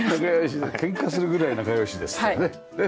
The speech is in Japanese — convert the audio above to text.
ケンカするぐらい仲良しですってね。